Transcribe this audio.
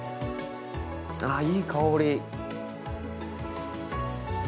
ああいい香り！